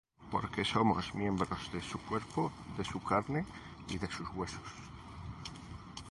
Porque somos miembros de su cuerpo, de su carne y de sus huesos.